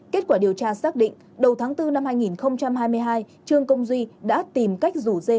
kết quả điều tra xác định đầu tháng bốn năm hai nghìn hai mươi hai trương công duy đã tìm cách rủ dê